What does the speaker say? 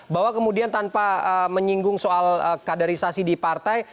bahwa kemudian tanpa menyinggung soal kaderisasi di partai